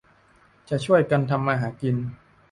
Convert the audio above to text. จะช่วยกันทำมาหากิน